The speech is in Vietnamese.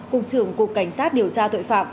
cục trưởng cục cảnh sát điều tra tội phạm